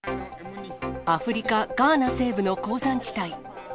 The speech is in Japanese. アフリカ・ガーナ西部の鉱山地帯。